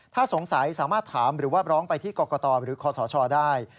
ถ้าสงสัยสามารถถามหรือว่าร้องไปที่กรกตหรือคศได้